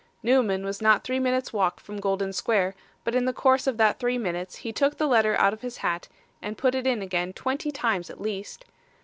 Newman was not three minutes' walk from Golden Square, but in the course of that three minutes he took the letter out of his hat and put it in again twenty times at least.